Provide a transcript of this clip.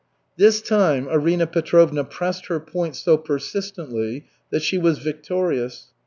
This time Arina Petrovna pressed her point so persistently that she was victorious.